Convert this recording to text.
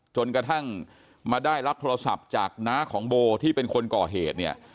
จนกระทั่งมาได้รับโทรศัพท์จากน้าของโบที่เป็นคนก่อเหตุเนี่ย